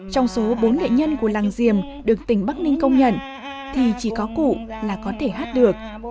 trong số bốn nghệ nhân của làng diềm được tỉnh bắc ninh công nhận thì chỉ có cụ là có thể hát được